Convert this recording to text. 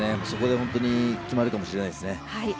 そこで本当に決まるかもしれないですね。